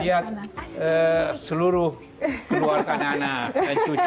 lihat seluruh keluarga anak anak dan cucu